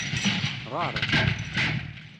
Γeṛ!